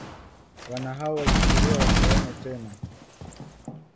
wana hao walichukuliwa wasiwaone tena